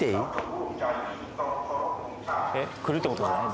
えっ来るってことじゃない？